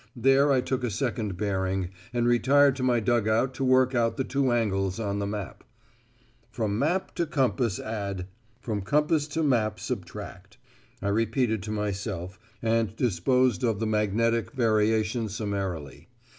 There I took a second bearing, and retired to my dug out to work out the two angles on the map. "From map to compass add: from compass to map subtract" I repeated to myself, and disposed of the magnetic variation summarily.